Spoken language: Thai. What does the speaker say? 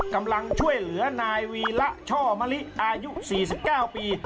กำลังช่วยเหลือนายวีระช่อมะลิอายุ๔๙ปี